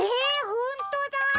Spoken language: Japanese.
ほんとだ。